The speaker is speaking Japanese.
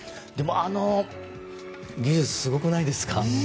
あの技術、すごくないですか？